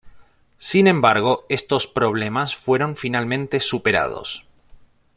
Sin embargo, estos problemas fueron finalmente superados.